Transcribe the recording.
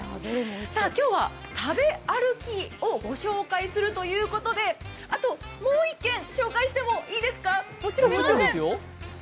今日は食べ歩きをご紹介するということで、あともう１軒紹介してもいいですか？